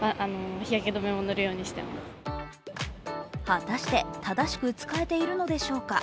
果たして、正しく使えているのでしょうか？